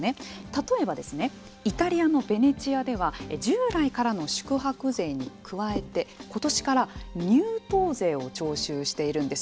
例えばイタリアのベネチアでは従来からの宿泊税に加えてことしから入島税を徴収しているんです。